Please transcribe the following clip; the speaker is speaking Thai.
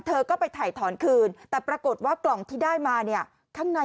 เธอก็ไปถ่ายถอนคืนแต่ปรากฏว่ากล่องที่ได้มาเนี่ยข้างใน